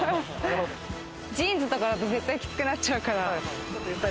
ジーンズとかだと絶対きつくなっちゃうから。